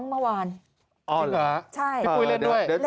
มันก็ร้องเมื่อวาน